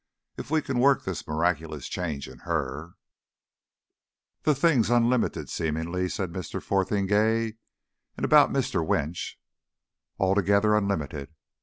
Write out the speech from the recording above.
If we can work this miraculous change in her ..." "The thing's unlimited seemingly," said Mr. Fotheringay. "And about Mr. Winch " "Altogether unlimited."